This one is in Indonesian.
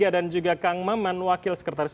dan juga kang maman wakil sekretaris